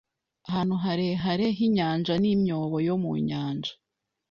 Ahantu harehare h'inyanja ni imyobo yo mu Nyanja